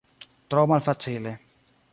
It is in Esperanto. Tro malfacile.